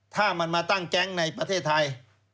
ถ้ามันมาตั้งแก๊งในประเทศไทย